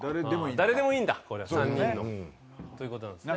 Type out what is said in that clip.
誰でもいいんだ３人の。ということなんですね。